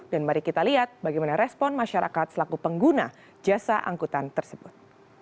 dan mari kita lihat bagaimana respon masyarakat selaku pengguna jasa angkutan tersebut